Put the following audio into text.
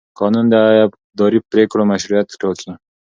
قانون د اداري پرېکړو مشروعیت ټاکي.